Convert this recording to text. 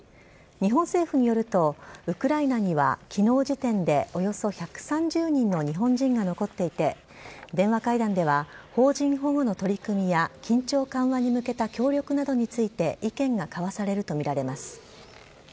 日本政府によると、ウクライナにはきのう時点でおよそ１３０人の日本人が残っていて、電話会談では、邦人保護の取り組みや緊張緩和に向けた協力などについて意見が交わされると見られます。